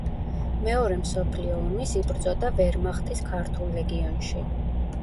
მეორე მსოფლიო ომის იბრძოდა ვერმახტის ქართულ ლეგიონში.